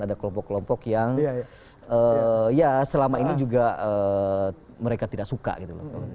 ada kelompok kelompok yang ya selama ini juga mereka tidak suka gitu loh